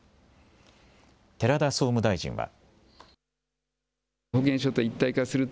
寺田総務大臣は。